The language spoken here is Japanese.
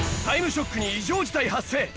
『タイムショック』に異常事態発生！